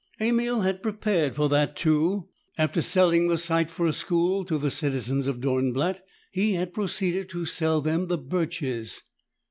Emil had prepared for that, too. After selling the site for a school to the citizens of Dornblatt, he had proceeded to sell them the birches.